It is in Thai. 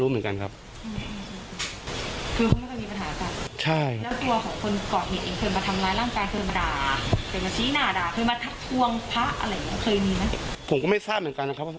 อือออ